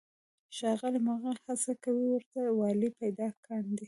ښاغلی محق هڅه کوي ورته والی پیدا کاندي.